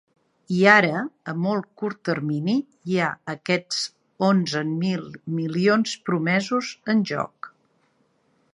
I ara, a molt curt termini, hi ha aquests onzen mil milions promesos, en joc.